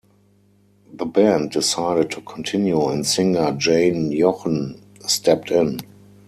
The band decided to continue and singer Jane Jochen stepped in.